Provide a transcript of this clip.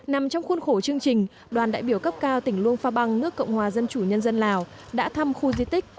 nằm trong khuôn khổ chương trình đoàn đại biểu cấp cao tỉnh luông pha băng nước cộng hòa dân chủ nhân dân lào đã thăm khu di tích